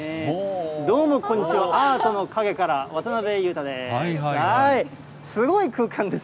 どうもこんにちは、アートの陰から渡辺裕太です。